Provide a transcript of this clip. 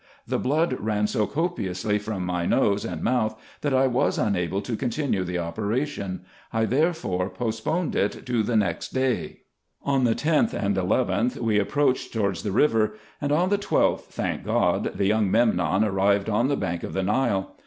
The blood ran so copiously from my nose and mouth, that I was unable to continue the operation : I therefore postponed it to the next day. On the 10th and 11th, we approached towards the river ; and on the 12th, thank God, the young Memnon arrived on the bank of the Nile.